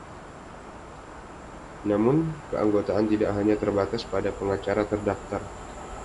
Namun, keanggotaan tidak hanya terbatas pada pengacara terdaftar.